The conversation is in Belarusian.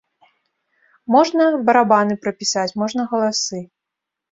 Можна барабаны прапісаць, можна галасы.